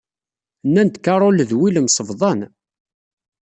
Nnan-d Carol d Will msebḍan.